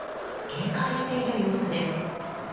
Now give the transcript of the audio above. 警戒している様子です。